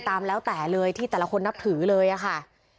ตามแล้วแต่เลยที่แต่ละคนนับถือเลยอะค่ะ